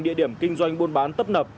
địa điểm kinh doanh buôn bán tấp nập